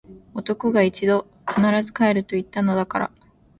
男が一度・・・！！！必ず帰ると言ったのだから！！！